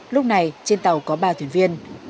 lúc này trên tàu có ba thuyền viên